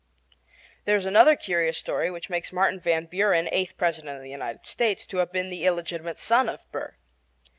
There is another curious story which makes Martin Van Buren, eighth President of the United States, to have been the illegitimate son of Aaron Burr.